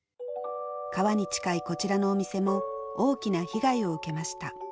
川に近いこちらのお店も大きな被害を受けました。